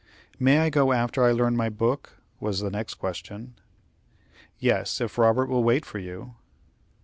"May I go after I learn my book?" was the next question. "Yes; if Robert will wait for you."